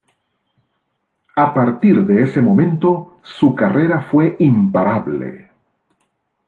A partir de ese momento su carrera fue imparable.